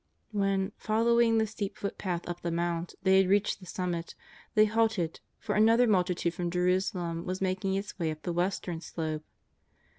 '' When, following the steep footpath up the Mount, they had reached the summit, they halted, for another multitude from Jerusalem was making its way up the western slope.